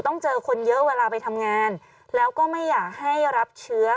เจอคนเยอะเวลาไปทำงานแล้วก็ไม่อยากให้รับเชื้อ